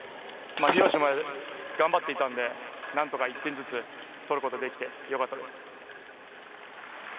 博志も頑張っていたのでなんとか１点ずつ取ることができてよかったです。